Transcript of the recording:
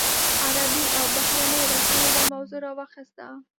عربي او بهرنیو رسنیو دا موضوع راواخیسته.